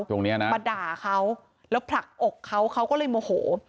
ตรงนี้นะมาด่าเขาแล้วผลักอกเขาเขาก็เลยโมโห